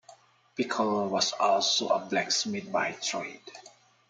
Pickell was also a blacksmith by trade.